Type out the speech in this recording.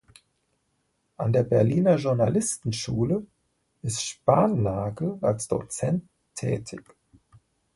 An der Berliner Journalistenschule ist Spannagel als Dozent tätig.